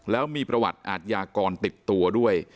แล้วมีประวัติอาทยากรติดตัวด้วย